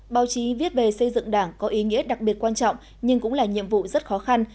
báo chí viết về xây dựng đảng có ý nghĩa đặc biệt quan trọng nhưng cũng là nhiệm vụ rất khó khăn